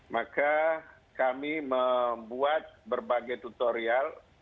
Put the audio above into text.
maka kami membuat berbagai tutorial